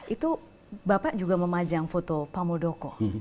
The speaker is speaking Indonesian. itu bapak juga memajang foto pak muldoko